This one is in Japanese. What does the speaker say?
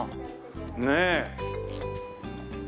ねえ。